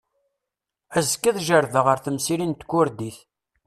Azekka ad jerrdeɣ ar temsirin n tkurdit.